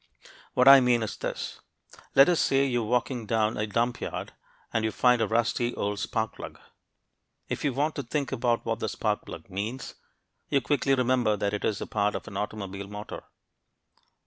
What I mean is this: Let us say you are walking through a dump yard, and you find a rusty old spark plug. If you want to think about what the spark plug means, you quickly remember that it is a part of an automobile motor.